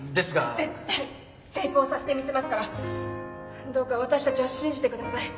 絶対成功させてみせますからどうか私たちを信じてください。